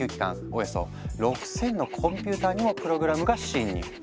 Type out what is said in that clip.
およそ６，０００のコンピューターにもプログラムが侵入。